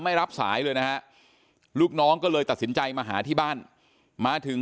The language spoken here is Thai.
ไม่รับสายเลยนะฮะลูกน้องก็เลยตัดสินใจมาหาที่บ้านมาถึง